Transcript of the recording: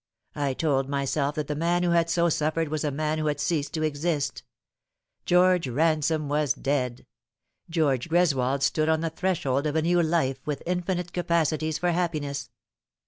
I told myself that the man who had so suffered was a man who had ceased to exist. George Ransome was dead. George Gres wold stood on the threshold of a new life, with infinite capacities for happiness.